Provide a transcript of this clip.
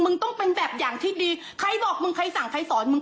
ต้องเป็นแบบอย่างที่ดีใครบอกมึงใครสั่งใครสอนมึง